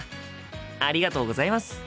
ありがとうございます。